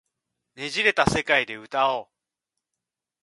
捻れた世界で歌おう